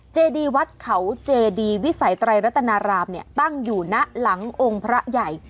เจดีวัดเขาเจดีวิสัยไตรรัตนารามเนี่ยตั้งอยู่ณหลังองค์พระใหญ่